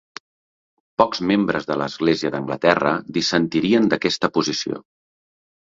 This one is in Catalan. Pocs membres de l'església d'Anglaterra dissentirien d'aquesta posició.